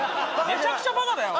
めちゃくちゃバカだよ